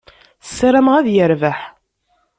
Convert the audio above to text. Ssarameɣ ad yerbeḥ.